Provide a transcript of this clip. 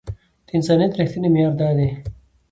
د انسانيت رښتينی معيار دا دی.